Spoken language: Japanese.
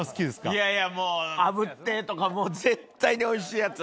いやいやもうあぶってとかもう絶対においしいやつ。